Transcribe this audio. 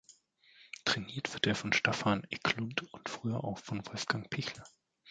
Trainiert wird er von Staffan Eklund und früher auch von Wolfgang Pichler.